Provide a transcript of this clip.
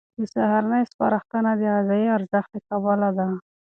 د سهارنۍ سپارښتنه د غذایي ارزښت له کبله ده.